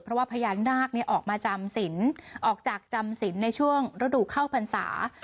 เพราะว่าพญานาคออกมาจำศิลป์ออกจากจำศิลป์ในช่วงฤดูเข้าพรรษา